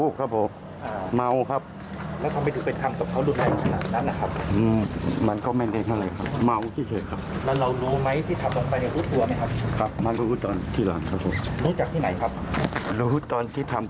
ก็เอ่ออารมณ์ชั่ววูบครับผม